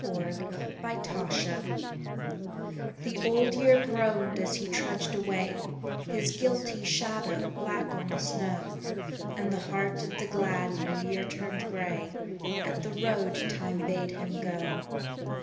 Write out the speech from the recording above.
BLOOD ROAD THE Old Year groaned as he trudged away, His guilty shadow black on the snow, And the heart of the glad New Year turned grey At the road Time bade him go.